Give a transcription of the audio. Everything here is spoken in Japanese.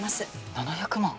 ７００万